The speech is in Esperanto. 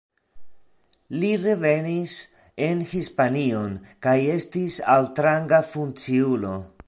Li revenis en Hispanion kaj estis altranga funkciulo.